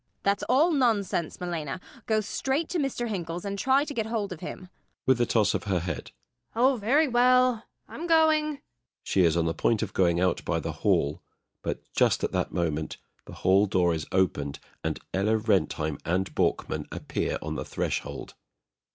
MRS. BORKMAN. That's all nonsense, Malena. Go straight to Mr. Hinkel's and try to to get hold of him. THE MAID. [With a toss of her head.] Oh, very well; I'm going. [She is on the point of going out by the hall, but just at that moment the hall door is opened, and ELLA RENTHEIM and BORKMAN appear on the threshold.